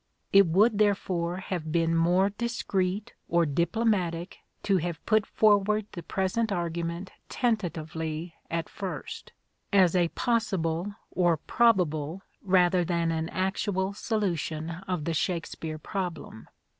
It would therefore have been more discreet or diplomatic to have put forward the present argument tentatively at first, as a possible or probable, rather than an actual solution of the Shakespeare problem.